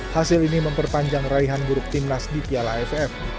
hasil ini memperpanjang raihan grup timnas di piala aff